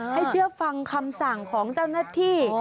เชื่อฟังคำสั่งของเจ้าหน้าที่